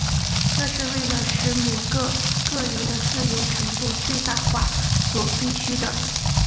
这是为了使每个个人的自由程度最大化所必需的。